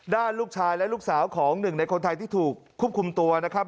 ด้านลูกชายและลูกสาวของ๑ในคนไทยที่ถูกคุ้มตัวนะครับ